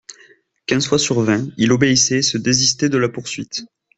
Quinze fois sur vingt il obéissait et se désistait de la poursuite.